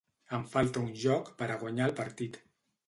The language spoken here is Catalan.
Em falta un joc per a guanyar el partit.